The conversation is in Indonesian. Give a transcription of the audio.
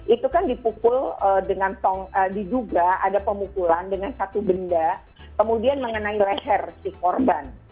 itu kan dipukul dengan tong diduga ada pemukulan dengan satu benda kemudian mengenai leher si korban